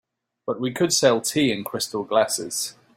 But we could sell tea in crystal glasses.